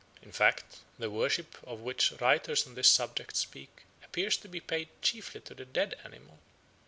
In fact, the worship of which writers on this subject speak appears to be paid chiefly to the dead animal.